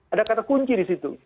ada kata kunci di situ